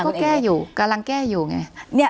ก็แก้อยู่กำลังแก้อยู่อย่างนี้